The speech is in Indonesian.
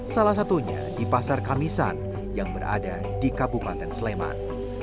salah satunya di pasar kamisan yang berada di kabupaten sleman